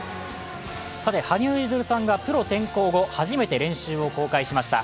羽生結弦さんがプロ転向後初めて練習を公開しました。